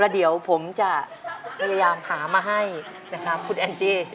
เดี๋ยวผมจะพยายามหามาให้นะครับคุณแอนจี้